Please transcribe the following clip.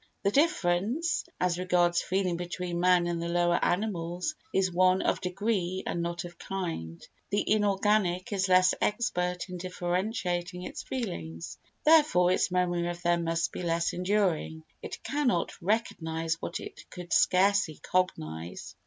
The difference as regards feeling between man and the lower animals is one of degree and not of kind. The inorganic is less expert in differentiating its feelings, therefore its memory of them must be less enduring; it cannot recognise what it could scarcely cognise.